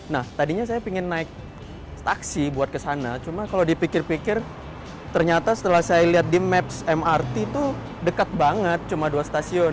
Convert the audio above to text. nah tadinya saya ingin naik taksi buat kesana cuma kalau dipikir pikir ternyata setelah saya lihat di maps mrt itu dekat banget cuma dua stasiun